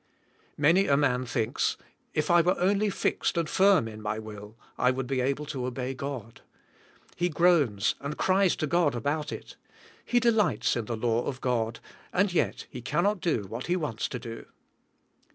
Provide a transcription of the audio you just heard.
Many a man thinks, If I were only fixed and firm in my will, I would be able to obey God. He groans and cries to God about it. He delights in the law of 182 Thk spiritual lifK. God and yet he cannot do what he wants to do.